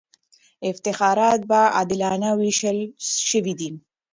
افتخارات به عادلانه وېشل سوي وي.